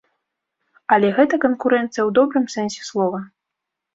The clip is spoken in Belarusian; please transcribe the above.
Але гэта канкурэнцыя ў добрым сэнсе слова.